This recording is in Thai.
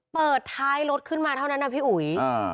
เปิดท้ายรถขึ้นมาเท่านั้นนะพี่อุ๋ย